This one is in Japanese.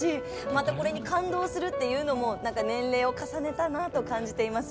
また、これに感動するというのも年齢を重ねたなと感じています。